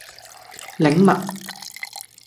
檸蜜